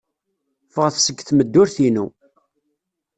Ffɣet seg tmeddurt-inu.